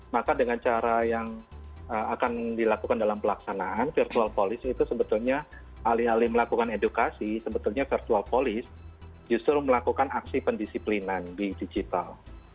maka dengan cara yang akan dilakukan dalam pelaksanaan virtual police itu sebetulnya alih alih melakukan edukasi sebetulnya virtual police justru melakukan aksi pendisiplinan di digital